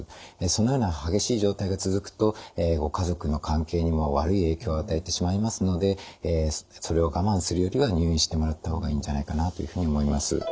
そのような激しい状態が続くとご家族の関係にも悪い影響を与えてしまいますのでそれを我慢するよりは入院してもらった方がいいんじゃないかなというふうに思います。